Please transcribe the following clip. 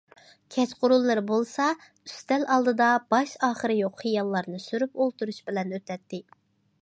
كەچقۇرۇنلىرى بولسا ئۈستەل ئالدىدا باش- ئاخىرى يوق خىياللارنى سۈرۈپ ئولتۇرۇش بىلەن ئۆتەتتى.